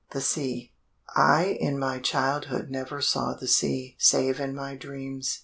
THE SEA I in my childhood never saw the sea Save in my dreams.